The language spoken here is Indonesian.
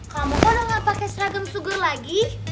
kamu kok udah gak pake seragam sugar lagi